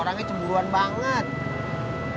jatuh jatuhnya nebeng juga lo